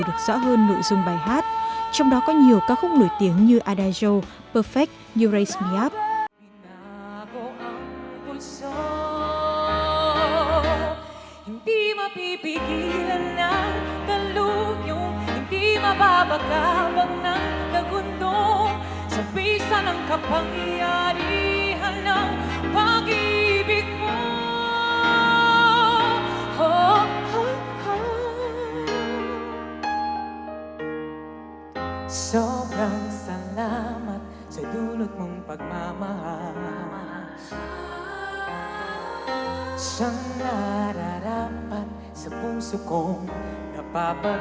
được rõ hơn nội dung bài hát trong đó có nhiều ca khúc nổi tiếng như adagio perfect you raise me up